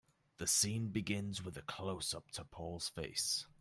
The scene begins with a closeup to Paula's face.